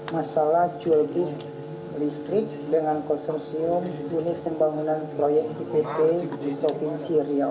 masalah jual beli listrik dengan konsorsium unit pembangunan proyek ipt di provinsi riau